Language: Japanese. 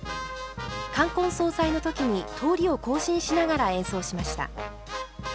冠婚葬祭の時に通りを行進しながら演奏しました。